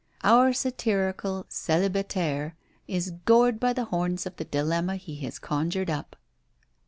Our satirical celibataire is gored by the horns of the dilemma he has conjured up.